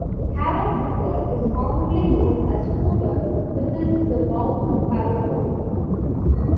Harrow football is commonly known as footer within the bounds of Harrow School.